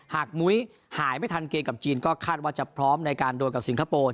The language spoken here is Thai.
มุ้ยหายไม่ทันเกมกับจีนก็คาดว่าจะพร้อมในการโดนกับสิงคโปร์